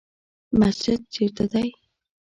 مسجد چیرته دی؟